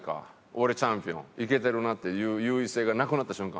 俺チャンピオン」「イケてるな」っていう優位性がなくなった瞬間